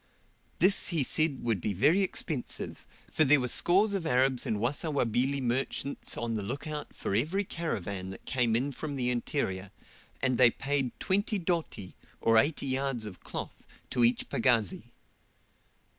This he said would be very expensive, for there were scores of Arabs and Wasawabili merchants on the look out for every caravan that came in from the interior, and they paid 20 doti, or 80 yards of cloth, to each pagazi.